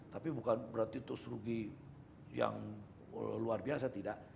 tapi bukan berarti terus rugi yang luar biasa tidak